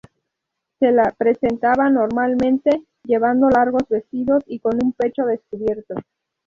Se las representaba, normalmente, llevando largos vestidos y con un pecho descubierto.